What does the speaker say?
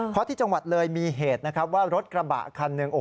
เพราะที่จังหวัดเลยมีเหตุนะครับว่ารถกระบะคันหนึ่ง